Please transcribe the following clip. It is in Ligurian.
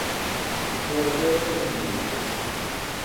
Son a-o teu servixo.